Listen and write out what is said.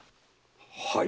はい！